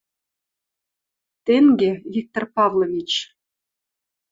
— Тенге, Виктор Павлович...